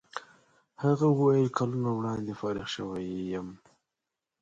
هغه وویل کلونه وړاندې فارغ شوی یم.